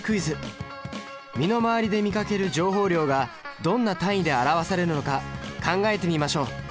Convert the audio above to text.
身の回りで見かける情報量がどんな単位で表されるのか考えてみましょう。